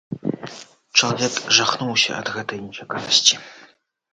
Чалавек жахнуўся ад гэтай нечаканасці.